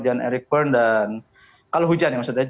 jan erik verne dan kalau hujan ya maksudnya